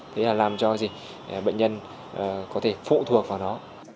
thế là làm cho gì bệnh nhân có thể phụ thuộc vào nó